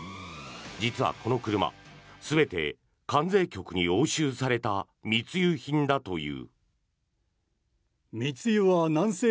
実はこの車、全て関税局に押収された密輸品だという。